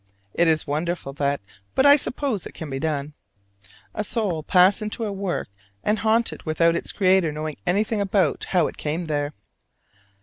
It is wonderful that; but I suppose it can be done, a soul pass into a work and haunt it without its creator knowing anything about how it came there.